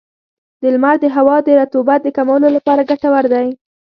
• لمر د هوا د رطوبت د کمولو لپاره ګټور دی.